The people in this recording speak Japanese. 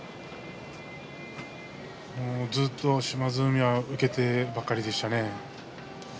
ずっと島津海は受けてばかりでしたね。